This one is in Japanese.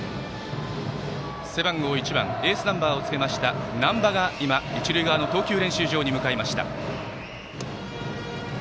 背番号１番エースナンバーをつけた難波が今、一塁側の投球練習場に向かいました。